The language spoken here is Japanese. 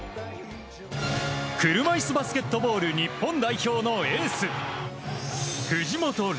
車いすバスケットボール日本代表のエース藤本怜